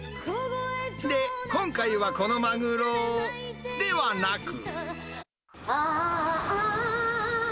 で、今回はこのマグロではなく。